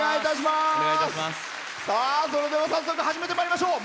それでは早速、始めてまいりましょう。